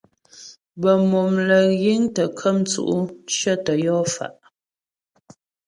Bə́ mòm lə́ yiŋ tə́ kəm tsʉ̌' cyətə yɔ fa'.